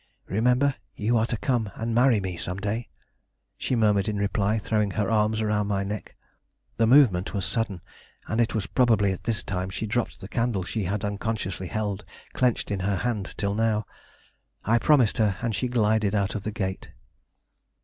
"Remember, you are to come and marry me some day," she murmured in reply, throwing her arms about my neck. The movement was sudden, and it was probably at this time she dropped the candle she had unconsciously held clenched in her hand till now. I promised her, and she glided out of the gate.